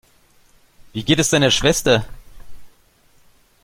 Wie geht es deiner Schwester?